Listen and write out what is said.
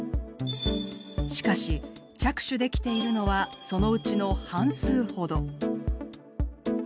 しかし着手できているのはそのうちの半数ほど。